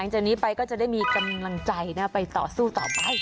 จากนี้ไปก็จะได้มีกำลังใจไปต่อสู้ต่อไป